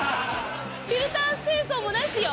フィルター清掃もなしよ。